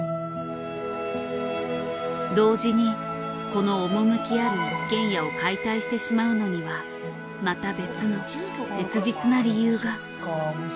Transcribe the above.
同時にこの趣ある一軒家を解体してしまうのにはまた別の切実な理由が。